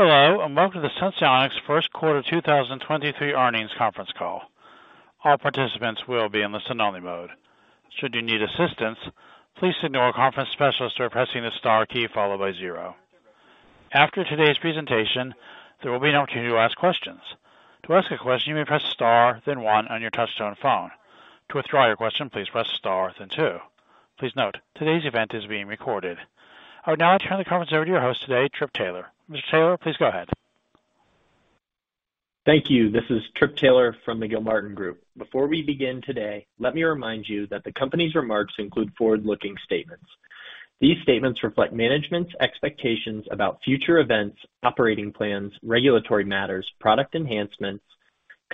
Hello, and welcome to the Senseonics first quarter 2023 earnings conference call. All participants will be in listen only mode. Should you need assistance, please signal a conference specialist by pressing the star key followed by zero. After today's presentation, there will be an opportunity to ask questions. To ask a question, you may Press Star then one on your touchtone phone. To withdraw your question, please Press Star then two. Please note, today's event is being recorded. I would now like to turn the conference over to your host today, Trip Taylor. Mr. Taylor, please go ahead. Thank you. This is Trip Taylor from the Gilmartin Group. Before we begin today, let me remind you that the company's remarks include forward-looking statements. These statements reflect management's expectations about future events, operating plans, regulatory matters, product enhancements,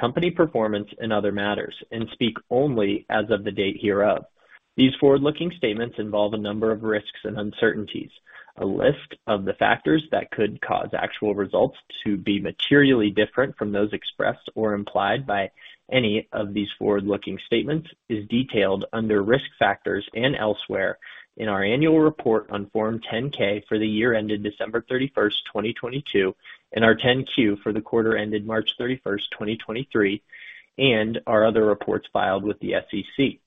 company performance, and other matters, and speak only as of the date hereof. These forward-looking statements involve a number of risks and uncertainties. A list of the factors that could cause actual results to be materially different from those expressed or implied by any of these forward-looking statements is detailed under Risk Factors and elsewhere in our annual report on Form 10-K for the year ended 31st December 2022, and our 10-Q for the quarter ended 31st March 2023, and our other reports filed with the SEC.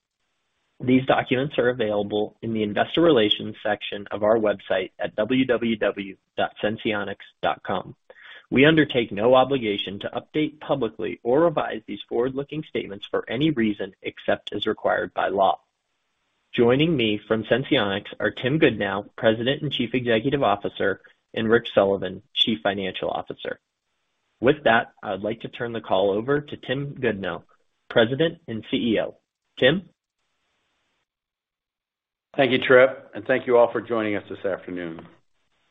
These documents are available in the investor relations section of our website at www.senseonics.com. We undertake no obligation to update publicly or revise these forward-looking statements for any reason except as required by law. Joining me from Senseonics are Tim Goodnow, President and Chief Executive Officer, and Rick Sullivan, Chief Financial Officer. With that, I would like to turn the call over to Tim Goodnow, President and CEO. Tim? Thank you, Trip. Thank you all for joining us this afternoon.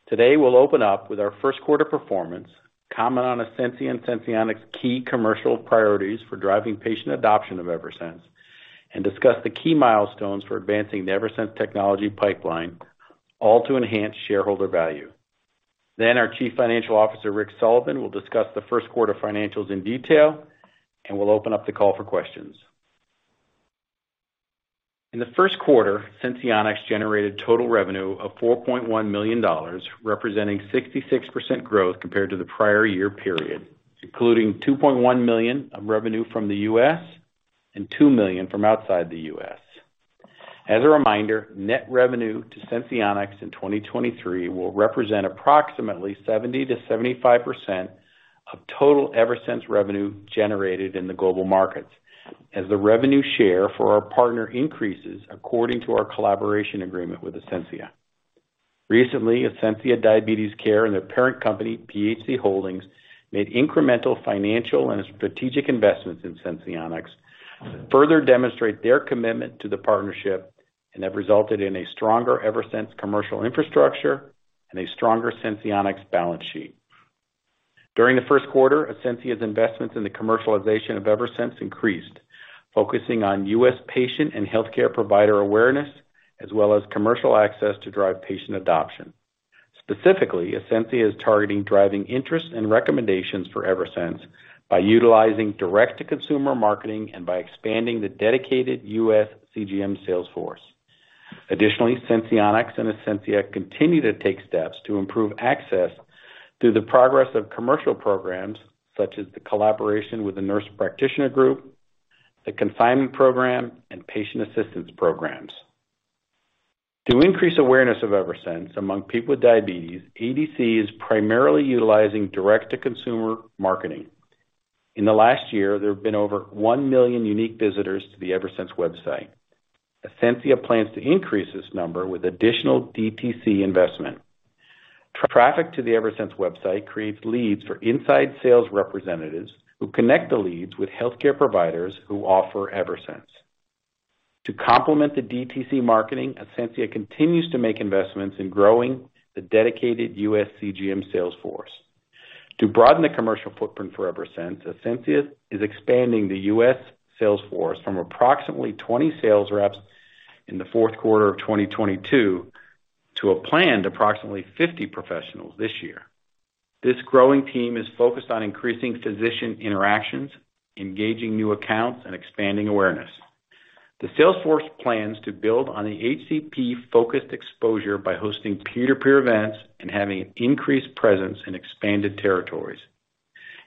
Today, we'll open up with our first quarter performance, comment on Ascensia and Senseonics key commercial priorities for driving patient adoption of Eversense, and discuss the key milestones for advancing the Eversense technology pipeline, all to enhance shareholder value. Our Chief Financial Officer, Rick Sullivan, will discuss the first quarter financials in detail, and we'll open up the call for questions. In the first quarter, Senseonics generated total revenue of $4.1 million, representing 66% growth compared to the prior year period, including $2.1 million of revenue from the U.S. and $2 million from outside the U.S. As a reminder, net revenue to Senseonics in 2023 will represent approximately 70%-75% of total Eversense revenue generated in the global markets as the revenue share for our partner increases according to our collaboration agreement with Ascensia. Recently, Ascensia Diabetes Care and their parent company, PHC Holdings, made incremental financial and strategic investments in Senseonics to further demonstrate their commitment to the partnership and have resulted in a stronger Eversense commercial infrastructure and a stronger Senseonics balance sheet. During the first quarter, Ascensia's investments in the commercialization of Eversense increased, focusing on U.S. patient and healthcare provider awareness as well as commercial access to drive patient adoption. Specifically, Ascensia is targeting driving interest and recommendations for Eversense by utilizing direct-to-consumer marketing and by expanding the dedicated U.S. CGM sales force. Additionally, Senseonics and Ascensia continue to take steps to improve access through the progress of commercial programs such as the collaboration with the Nurse Practitioner Group, the consignment program, and patient assistance programs. To increase awareness of Eversense among people with diabetes, ADC is primarily utilizing direct-to-consumer marketing. In the last year, there have been over 1 million unique visitors to the Eversense website. Ascensia plans to increase this number with additional DTC investment. Traffic to the Eversense website creates leads for inside sales representatives who connect the leads with healthcare providers who offer Eversense. To complement the DTC marketing, Ascensia continues to make investments in growing the dedicated U.S. CGM sales force. To broaden the commercial footprint for Eversense, Ascensia is expanding the U.S. sales force from approximately 20 sales reps in the fourth quarter of 2022 to a planned approximately 50 professionals this year. This growing team is focused on increasing physician interactions, engaging new accounts, and expanding awareness. The sales force plans to build on the HCP-focused exposure by hosting peer-to-peer events and having an increased presence in expanded territories.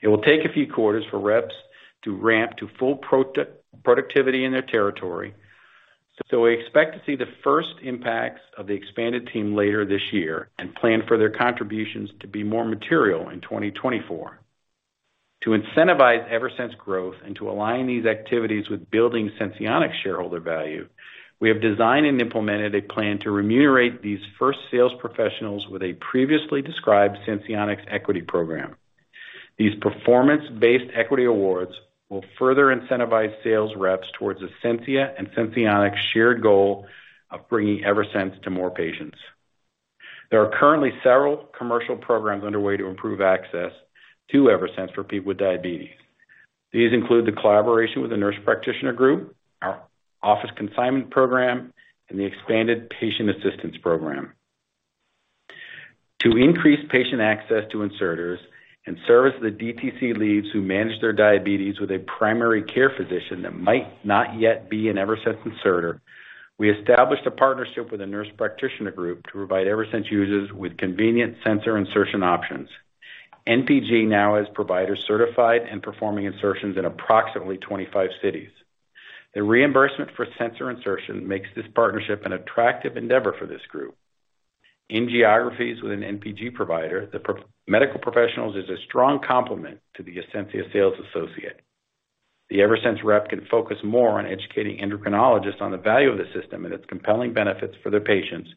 It will take a few quarters for reps to ramp to full productivity in their territory. We expect to see the first impacts of the expanded team later this year and plan for their contributions to be more material in 2024. To incentivize Eversense growth and to align these activities with building Senseonics shareholder value, we have designed and implemented a plan to remunerate these first sales professionals with a previously described Senseonics equity program. These performance-based equity awards will further incentivize sales reps towards Ascensia and Senseonics shared goal of bringing Eversense to more patients. There are currently several commercial programs underway to improve access to Eversense for people with diabetes. These include the collaboration with the Nurse Practitioner Group, our office consignment program, and the expanded patient assistance program. To increase patient access to inserters and service the DTC leads who manage their diabetes with a primary care physician that might not yet be an Eversense inserter. We established a partnership with a Nurse Practitioner Group to provide Eversense users with convenient sensor insertion options. NPG now has providers certified and performing insertions in approximately 25 cities. The reimbursement for sensor insertion makes this partnership an attractive endeavor for this group. In geographies with an NPG provider, the medical professionals is a strong complement to the Ascensia sales associate. The Eversense rep can focus more on educating endocrinologists on the value of the system and its compelling benefits for their patients,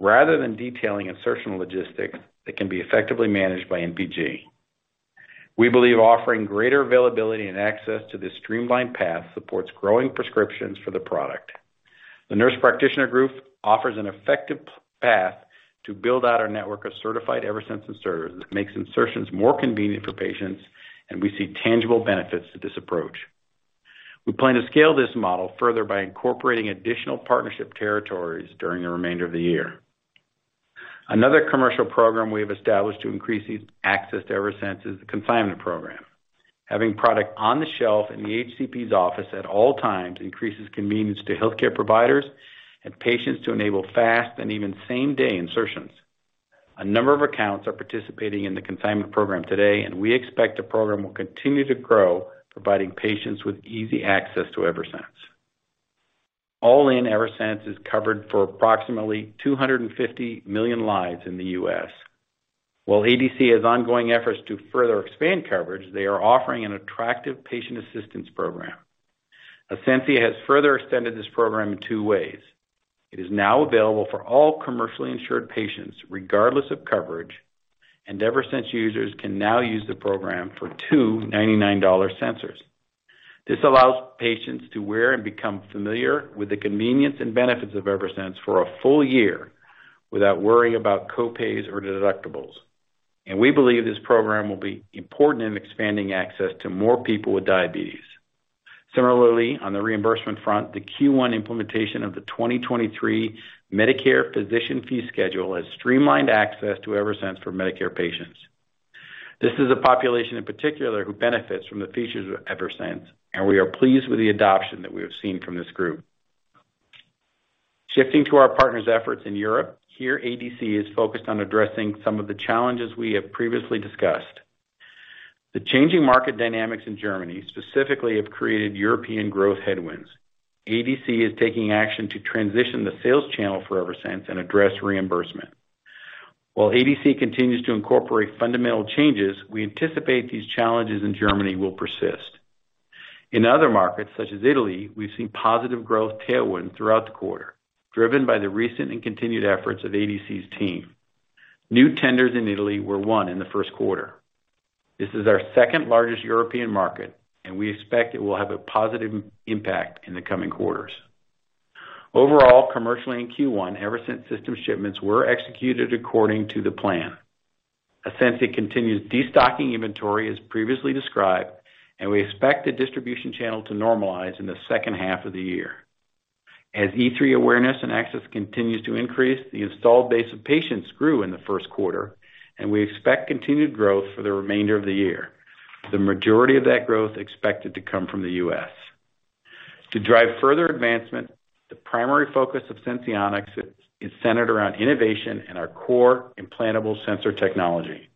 rather than detailing insertion logistics that can be effectively managed by NPG. We believe offering greater availability and access to this streamlined path supports growing prescriptions for the product. The Nurse Practitioner Group offers an effective path to build out our network of certified Eversense inserters that makes insertions more convenient for patients, and we see tangible benefits to this approach. We plan to scale this model further by incorporating additional partnership territories during the remainder of the year. Another commercial program we have established to increase these access to Eversense is the consignment program. Having product on the shelf in the HCP's office at all times increases convenience to healthcare providers and patients to enable fast and even same-day insertions. A number of accounts are participating in the consignment program today, and we expect the program will continue to grow, providing patients with easy access to Eversense. All in, Eversense is covered for approximately 250 million lives in the U.S. While ADC has ongoing efforts to further expand coverage, they are offering an attractive patient assistance program. Ascensia has further extended this program in two ways. It is now available for all commercially insured patients, regardless of coverage, and Eversense users can now use the program for 2 $99 sensors. This allows patients to wear and become familiar with the convenience and benefits of Eversense for a full year without worrying about co-pays or deductibles. We believe this program will be important in expanding access to more people with diabetes. On the reimbursement front, the Q1 implementation of the 2023 Medicare Physician Fee Schedule has streamlined access to Eversense for Medicare patients. This is a population in particular who benefits from the features of Eversense. We are pleased with the adoption that we have seen from this group. Shifting to our partners' efforts in Europe, here ADC is focused on addressing some of the challenges we have previously discussed. The changing market dynamics in Germany specifically have created European growth headwinds. ADC is taking action to transition the sales channel for Eversense and address reimbursement. While ADC continues to incorporate fundamental changes, we anticipate these challenges in Germany will persist. In other markets, such as Italy, we've seen positive growth tailwind throughout the quarter, driven by the recent and continued efforts of ADC's team. New tenders in Italy were won in the first quarter. This is our second-largest European market, and we expect it will have a positive impact in the coming quarters. Overall, commercially in Q1, Eversense system shipments were executed according to the plan. Ascensia continues destocking inventory as previously described, and we expect the distribution channel to normalize in the second half of the year. As E3 awareness and access continues to increase, the installed base of patients grew in the first quarter, and we expect continued growth for the remainder of the year. The majority of that growth expected to come from the U.S. To drive further advancement, the primary focus of Senseonics is centered around innovation and our core implantable sensor technology.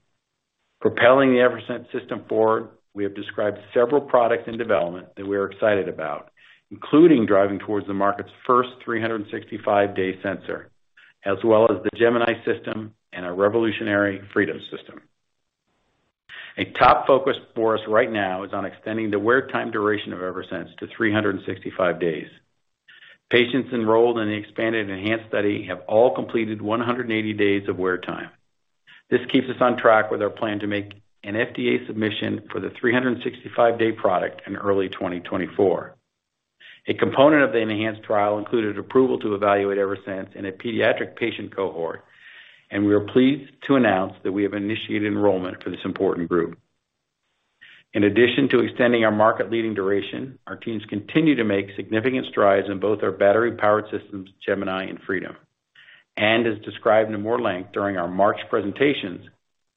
Propelling the Eversense system forward, we have described several products in development that we are excited about, including driving towards the market's first 365-day sensor, as well as the Gemini system and our revolutionary Freedom system. A top focus for us right now is on extending the wear time duration of Eversense to 365 days. Patients enrolled in the expanded and enhanced study have all completed 180 days of wear time. This keeps us on track with our plan to make an FDA submission for the 365-day product in early 2024. A component of the enhanced trial included approval to evaluate Eversense in a pediatric patient cohort, and we are pleased to announce that we have initiated enrollment for this important group. In addition to extending our market-leading duration, our teams continue to make significant strides in both our battery-powered systems, Gemini and Freedom. As described in more length during our March presentations,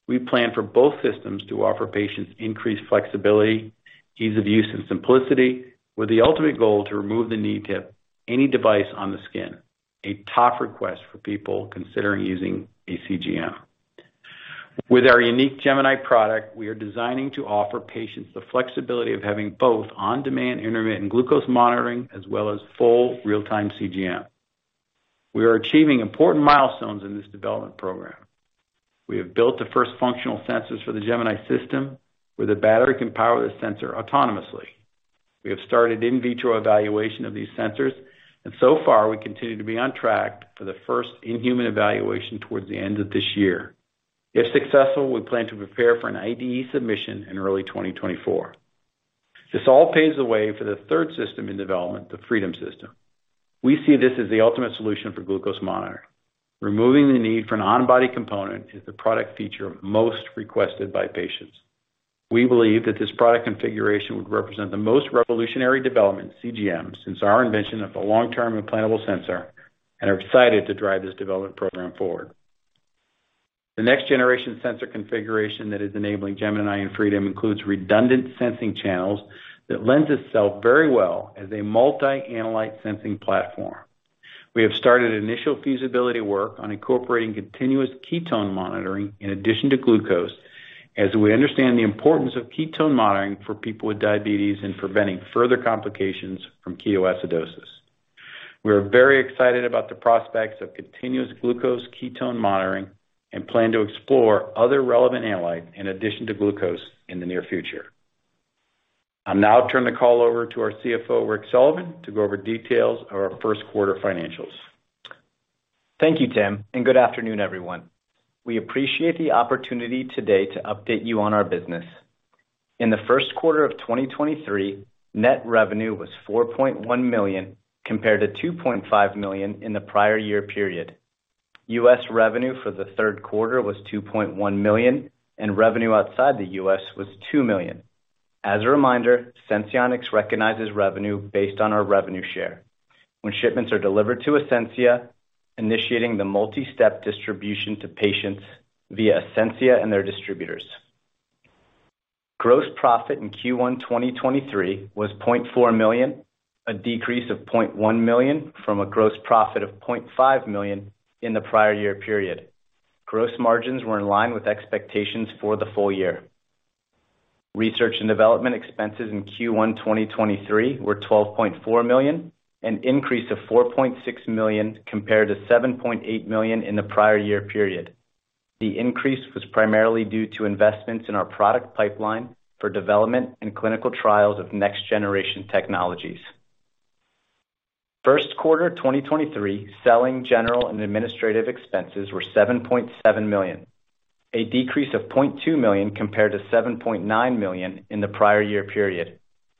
we plan for both systems to offer patients increased flexibility, ease of use, and simplicity, with the ultimate goal to remove the need to have any device on the skin, a top request for people considering using a CGM. With our unique Gemini product, we are designing to offer patients the flexibility of having both on-demand intermittent glucose monitoring as well as full real-time CGM. We are achieving important milestones in this development program. We have built the first functional sensors for the Gemini system, where the battery can power the sensor autonomously. We have started in vitro evaluation of these sensors, and so far, we continue to be on track for the first in-human evaluation towards the end of this year. If successful, we plan to prepare for an IDE submission in early 2024. This all paves the way for the third system in development, the Freedom system. We see this as the ultimate solution for glucose monitoring. Removing the need for an on-body component is the product feature most requested by patients. We believe that this product configuration would represent the most revolutionary development in CGMs since our invention of the long-term implantable sensor and are excited to drive this development program forward. The next generation sensor configuration that is enabling Gemini and Freedom includes redundant sensing channels that lends itself very well as a multi-analyte sensing platform. We have started initial feasibility work on incorporating continuous ketone monitoring in addition to glucose, as we understand the importance of ketone monitoring for people with diabetes and preventing further complications from ketoacidosis. We are very excited about the prospects of continuous glucose ketone monitoring and plan to explore other relevant analytes in addition to glucose in the near future. I'll now turn the call over to our CFO, Rick Sullivan, to go over details of our first quarter financials. Thank you, Tim, and good afternoon, everyone. We appreciate the opportunity today to update you on our business. In the first quarter of 2023, net revenue was $4.1 million, compared to $2.5 million in the prior year period. U.S. revenue for the third quarter was $2.1 million, and revenue outside the U.S. was $2 million. As a reminder, Senseonics recognizes revenue based on our revenue share when shipments are delivered to Ascensia, initiating the multi-step distribution to patients via Ascensia and their distributors. Gross profit in Q1 2023 was $0.4 million, a decrease of $0.1 million from a gross profit of $0.5 million in the prior year period. Gross margins were in line with expectations for the full year. Research and development expenses in Q1 2023 were $12.4 million, an increase of $4.6 million compared to $7.8 million in the prior year period. The increase was primarily due to investments in our product pipeline for development and clinical trials of next-generation technologies. First quarter 2023, selling general and administrative expenses were $7.7 million, a decrease of $0.2 million compared to $7.9 million in the prior year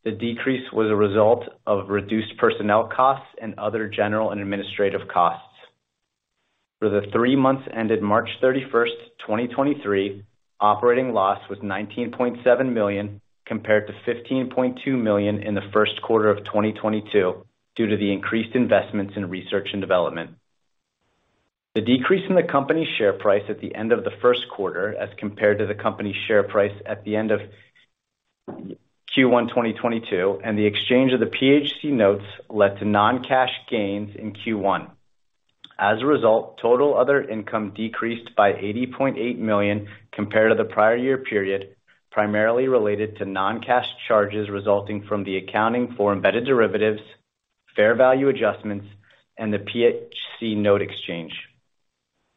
period. The decrease was a result of reduced personnel costs and other general and administrative costs. For the three months ended 31st March 2023, operating loss was $19.7 million, compared to $15.2 million in the first quarter of 2022 due to the increased investments in research and development. The decrease in the company's share price at the end of the first quarter as compared to the company's share price at the end of Q1 2022 and the exchange of the PHC Notes led to non-cash gains in Q1. As a result, total other income decreased by $80.8 million compared to the prior year period, primarily related to non-cash charges resulting from the accounting for embedded derivatives, fair value adjustments, and the PHC Note exchange.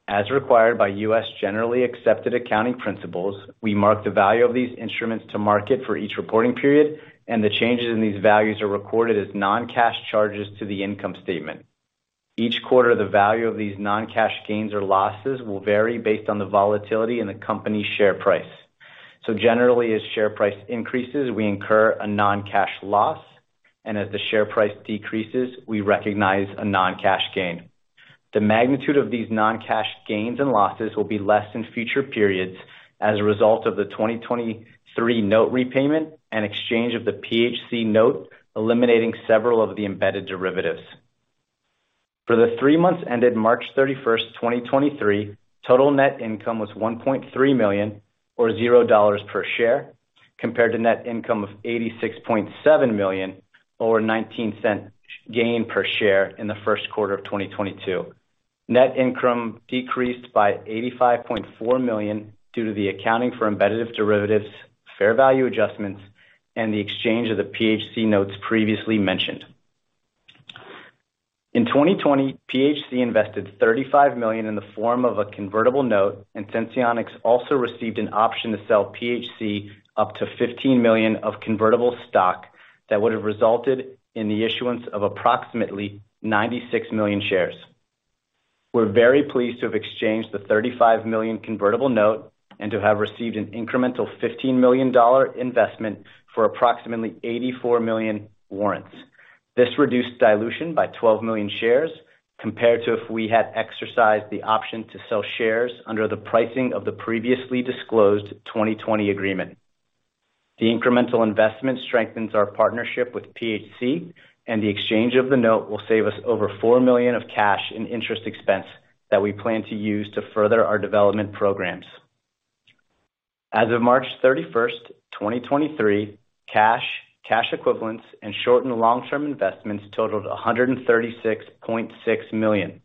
As required by U.S. Generally Accepted Accounting Principles, we mark the value of these instruments to market for each reporting period, and the changes in these values are recorded as non-cash charges to the income statement. Each quarter, the value of these non-cash gains or losses will vary based on the volatility in the company's share price. Generally, as share price increases, we incur a non-cash loss, and as the share price decreases, we recognize a non-cash gain. The magnitude of these non-cash gains and losses will be less in future periods as a result of the 2023 note repayment and exchange of the PHC Notes, eliminating several of the embedded derivatives. For the three months ended 31st March 2023, total net income was $1.3 million or $0 per share, compared to net income of $86.7 million or $0.19 gain per share in the first quarter of 2022. Net income decreased by $85.4 million due to the accounting for embedded derivatives, fair value adjustments, and the exchange of the PHC Notes previously mentioned. In 2020, PHC invested $35 million in the form of a convertible note, and Senseonics also received an option to sell PHC up to $15 million of convertible stock that would have resulted in the issuance of approximately 96 million shares. We're very pleased to have exchanged the $35 million convertible note and to have received an incremental $15 million investment for approximately 84 million warrants. This reduced dilution by 12 million shares compared to if we had exercised the option to sell shares under the pricing of the previously disclosed 2020 agreement. The incremental investment strengthens our partnership with PHC, and the exchange of the note will save us over $4 million of cash in interest expense that we plan to use to further our development programs. As of 31st March 2023, cash equivalents, and short- and long-term investments totaled $136.6 million.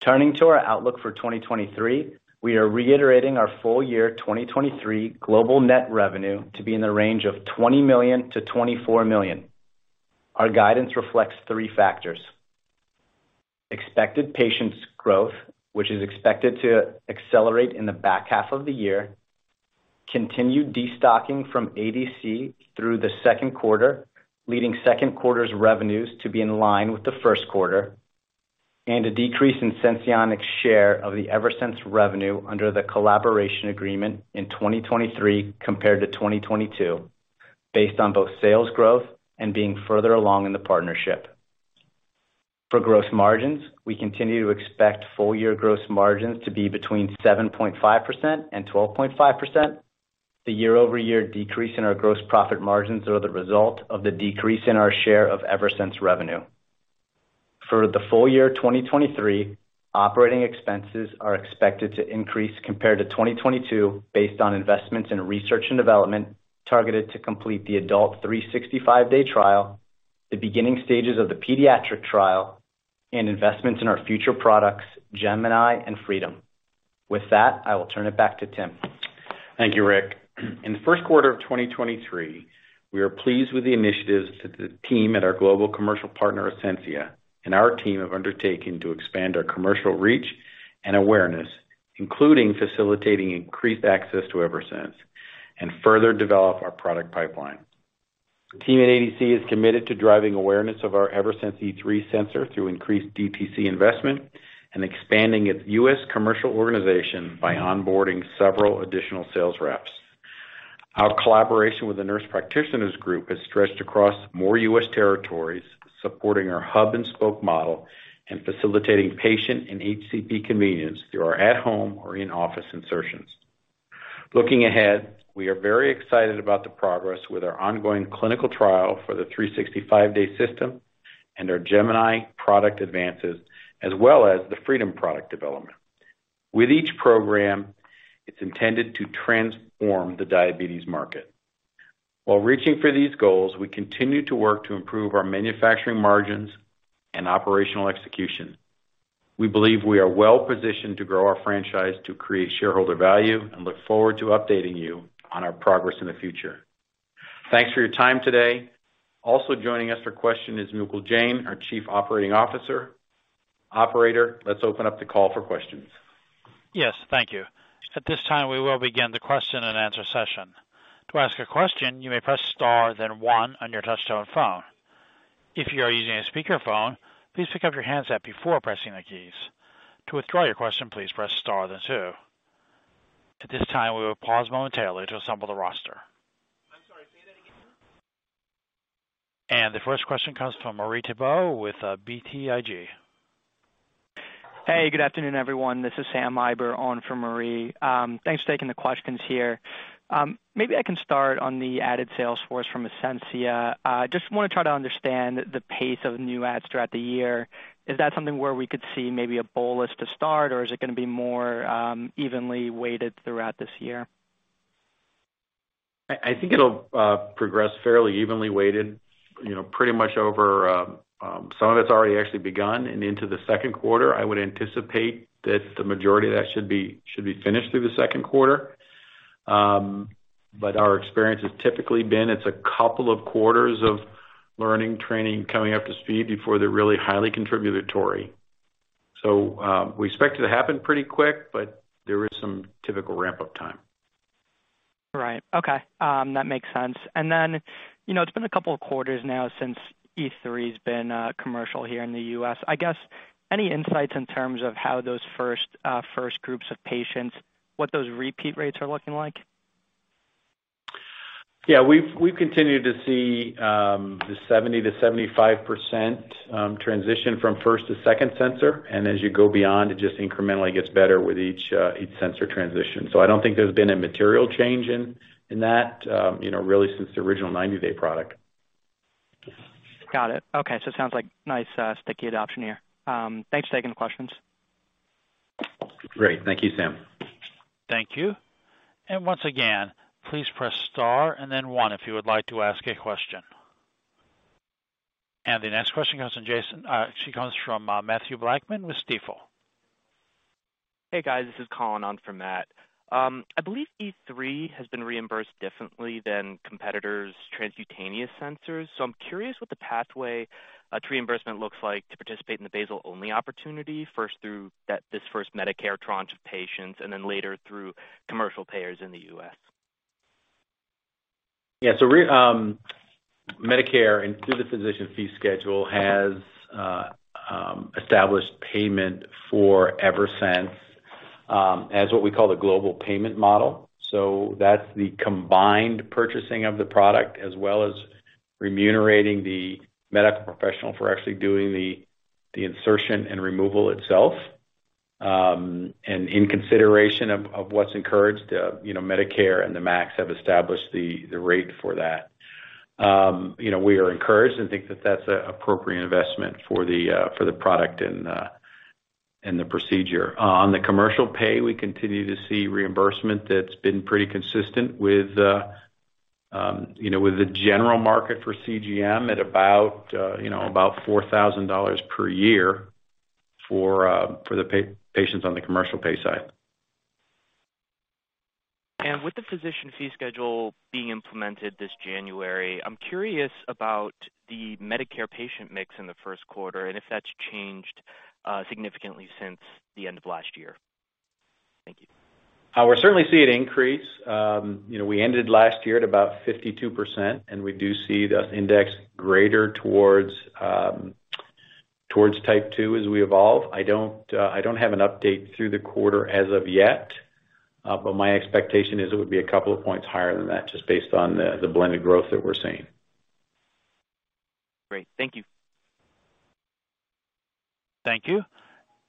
Turning to our outlook for 2023, we are reiterating our full year 2023 global net revenue to be in the range of $20 million-$24 million. Our guidance reflects three factors. Expected patients growth, which is expected to accelerate in the back half of the year, continue destocking from ADC through the second quarter, leading second quarter's revenues to be in line with the first quarter, and a decrease in Senseonics' share of the Eversense revenue under the collaboration agreement in 2023 compared to 2022 based on both sales growth and being further along in the partnership. For gross margins, we continue to expect full year gross margins to be between 7.5% and 12.5%. The year-over-year decrease in our gross profit margins are the result of the decrease in our share of Eversense revenue. For the full year 2023, operating expenses are expected to increase compared to 2022, based on investments in research and development targeted to complete the adult 365-day trial, the beginning stages of the pediatric trial, and investments in our future products, Gemini and Freedom. With that, I will turn it back to Tim. Thank you, Rick. In the first quarter of 2023, we are pleased with the initiatives that the team at our global commercial partner, Ascensia, and our team have undertaken to expand our commercial reach and awareness, including facilitating increased access to Eversense and further develop our product pipeline. The team at ADC is committed to driving awareness of our Eversense E3 sensor through increased DTC investment and expanding its U.S. commercial organization by onboarding several additional sales reps. Our collaboration with the Nurse Practitioner Group has stretched across more U.S. territories, supporting our hub and spoke model and facilitating patient and HCP convenience through our at home or in office insertions. Looking ahead, we are very excited about the progress with our ongoing clinical trial for the 365 day system and our Gemini product advances, as well as the Freedom product development. With each program, it's intended to transform the diabetes market. While reaching for these goals, we continue to work to improve our manufacturing margins and operational execution. We believe we are well-positioned to grow our franchise to create shareholder value and look forward to updating you on our progress in the future. Thanks for your time today. Also joining us for question is Mukul Jain, our chief operating officer. Operator, let's open up the call for questions. Yes, thank you. At this time, we will begin the question and answer session. To ask a question, you may press star then one on your touch-tone phone. If you are using a speakerphone, please pick up your handset before pressing the keys. To withdraw your question, please press star then two. At this time, we will pause momentarily to assemble the roster. I'm sorry, say that again, sir. The first question comes from Marie Thibault with, BTIG. Hey, good afternoon, everyone. This is Sam Eiber on for Marie. Thanks for taking the questions here. Maybe I can start on the added sales force from Ascensia. Just wanna try to understand the pace of new ads throughout the year. Is that something where we could see maybe a bolus to start, or is it gonna be more evenly weighted throughout this year? I think it'll progress fairly evenly weighted, you know, pretty much over. Some of it's already actually begun and into the second quarter. I would anticipate that the majority of that should be finished through the second quarter. Our experience has typically been it's a couple of quarters of learning, training, coming up to speed before they're really highly contributory. We expect it to happen pretty quick, but there is some typical ramp-up time. Right. Okay. That makes sense. You know, it's been a couple of quarters now since E3 has been commercial here in the U.S. I guess, any insights in terms of how those first groups of patients, what those repeat rates are looking like? Yeah. We've continued to see the 70%-75% transition from first to second sensor. As you go beyond, it just incrementally gets better with each sensor transition. I don't think there's been a material change in that, you know, really since the original 90-day product. Got it. Okay. It sounds like nice, sticky adoption here. Thanks for taking the questions. Great. Thank you, Sam. Thank you. Once again, please press star and then one if you would like to ask a question. The next question actually comes from Matthew Blackman with Stifel. Hey, guys. This is Colin on for Matt. I believe E3 has been reimbursed differently than competitors' transcutaneous sensors. I'm curious what the pathway to reimbursement looks like to participate in the basal-only opportunity, first through this first Medicare tranche of patients and then later through commercial payers in the U.S. Yeah. Medicare and through the Medicare Physician Fee Schedule has established payment for Eversense as what we call the global payment model. That's the combined purchasing of the product, as well as remunerating the medical professional for actually doing the insertion and removal itself. In consideration of what's encouraged, you know, Medicare and the MACs have established the rate for that. You know, we are encouraged and think that that's an appropriate investment for the product and the procedure. On the commercial pay, we continue to see reimbursement that's been pretty consistent with, you know, with the general market for CGM at about, you know, about $4,000 per year for patients on the commercial pay side. With the Physician Fee Schedule being implemented this January, I'm curious about the Medicare patient mix in the first quarter and if that's changed significantly since the end of last year. Thank you. We're certainly seeing an increase. You know, we ended last year at about 52%. We do see the index greater towards type two as we evolve. I don't, I don't have an update through the quarter as of yet, but my expectation is it would be a couple of points higher than that, just based on the blended growth that we're seeing. Great. Thank you. Thank you.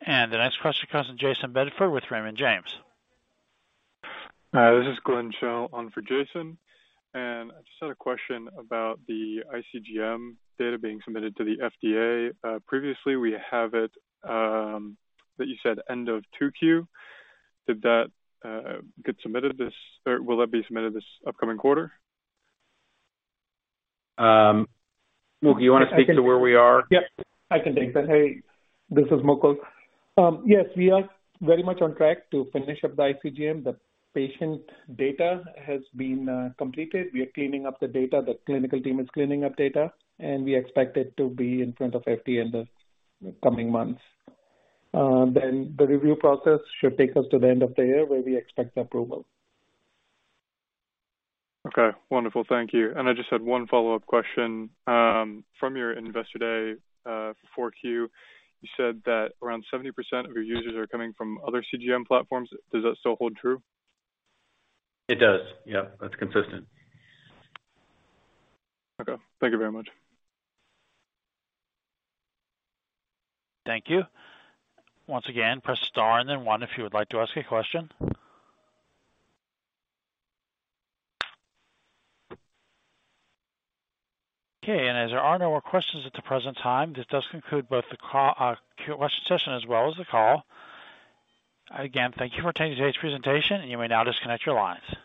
The next question comes in Jayson Bedford with Raymond James. This is Glenn Shell on for Jason. I just had a question about the iCGM data being submitted to the FDA. Previously, we have it that you said end of 2Q. Did that get submitted this or will that be submitted this upcoming quarter? Mukul, you wanna speak to where we are? Yeah, I can take that. Hey, this is Mukul. Yes, we are very much on track to finish up the iCGM. The patient data has been completed. We are cleaning up the data. The clinical team is cleaning up data, we expect it to be in front of FDA in the coming months. The review process should take us to the end of the year where we expect the approval. Okay, wonderful. Thank you. I just had one follow-up question. From your Investor Day, 4Q, you said that around 70% of your users are coming from other CGM platforms. Does that still hold true? It does. Yeah. That's consistent. Okay. Thank you very much. Thank you. Once again, press star and then 1 if you would like to ask a question. Okay. As there are no more questions at the present time, this does conclude both the question session as well as the call. Again, thank you for attending today's presentation, and you may now disconnect your lines.